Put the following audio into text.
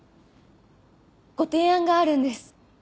ご提案があるんです。